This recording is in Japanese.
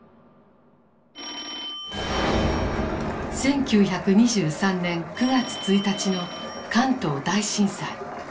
１９２３年９月１日の関東大震災。